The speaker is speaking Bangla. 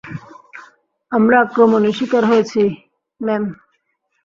আমরা আক্রমণের শিকার হয়েছি, ম্যাম।